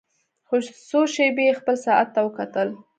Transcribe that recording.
څو شېبې يې خپل ساعت ته وکتل.